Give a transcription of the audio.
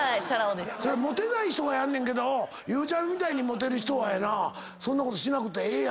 それモテない人がやんねんけどゆうちゃみみたいにモテる人はそんなことしなくてええやろ。